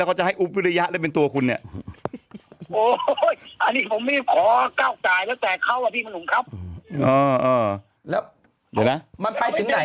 แล้วก็จะให้เนี้ยโอ้โหอันนี้ผมผมมีของก้าวแตกเขาอ่ะพี่ผู้หนู